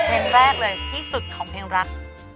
เพลงแรกเลยที่สุดของเพลงรัก